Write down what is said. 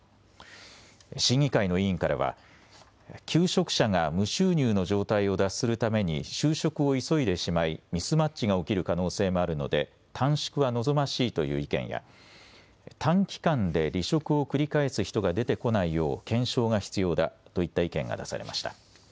審議会の委員からは求職者が無収入の状態を脱するために就職を急いでしまいミスマッチが起きる可能性もあるので短縮は望ましいという意見や短期間で離職を繰り返す人が出てこないよう検証が必要だといった意見が出されました。